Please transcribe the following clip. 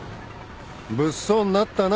物騒になったな